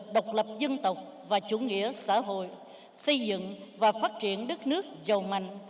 độc lập dân tộc và chủ nghĩa xã hội xây dựng và phát triển đất nước giàu mạnh